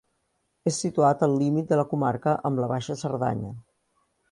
És situat al límit de la comarca amb la Baixa Cerdanya.